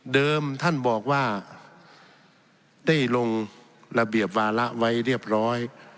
ท่านบอกว่าได้ลงระเบียบวาระไว้เรียบร้อย